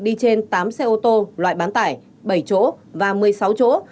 đi trên tám xe ô tô loại bán tải bảy chỗ và một mươi sáu chỗ